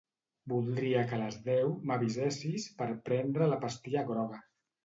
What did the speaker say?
Voldria que a les deu m'avisessis per prendre la pastilla groga.